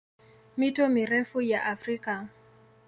Mito mirefu ya Afrika